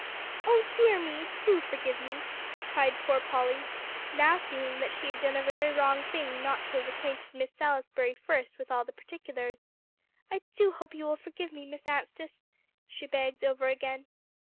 "Oh dear me! do forgive me," cried poor Polly, now seeing that she had done a very wrong thing not to have acquainted Miss Salisbury first with all the particulars. "I do hope you will forgive me, Miss Anstice," she begged over again.